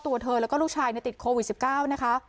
ตัวเธอแล้วก็ลูกชายติดโควิด๑๙นะคะ